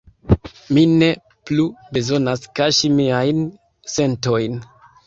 Mi ne plu bezonas kaŝi miajn sentojn.